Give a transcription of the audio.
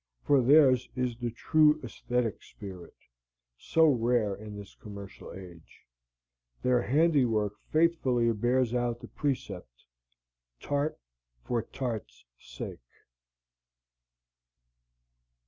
For theirs is the true æsthetic spirit, so rare in this commercial age. Their handiwork faithfully bears out the precept "Tart for Tart's Sake."